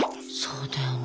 そうだよね。